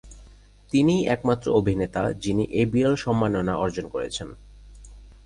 তিনিই একমাত্র অভিনেতা, যিনি এই বিরল সম্মাননা অর্জন করেছেন।